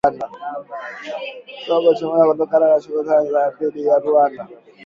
Kongo kuchunguzwa kutokana na shutuma zake dhidi ya Rwanda